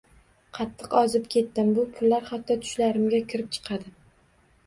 Qattiq ozib ketdim, bu pullar hatto tushlarimga kirib chiqadi.